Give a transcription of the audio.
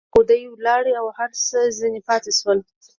خو دى ولاړ او هر څه ځنې پاته سول.